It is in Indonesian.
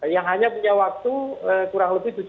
yang hanya punya waktu kurang lebih tujuh delapan bulan ya